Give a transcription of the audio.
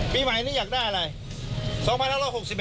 ปีใหม่นี้อยากได้อะไร